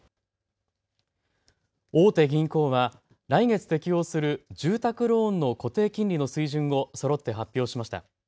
大手銀行は来月、適用する住宅ローンの固定金利の水準をそろって発表しました。